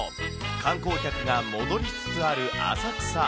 観光客が戻りつつある浅草。